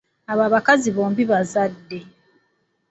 Abo abakazi bombi bazadde.